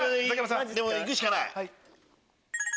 でもいくしかない。